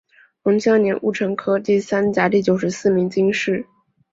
隆庆二年戊辰科第三甲第九十四名进士。